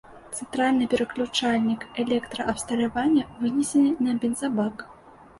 Цэнтральны пераключальнік электраабсталявання вынесены на бензабак.